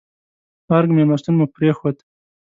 ارګ مېلمستون مو پرېښود.